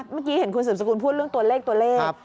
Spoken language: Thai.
เมื่อกี้เห็นคุณสืบสกุลพูดเรื่องตัวเลขตัวเลข